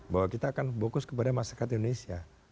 bahwa kita akan fokus kepada masyarakat indonesia